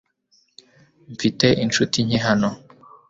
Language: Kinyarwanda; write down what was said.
Mfite inshuti nke hano .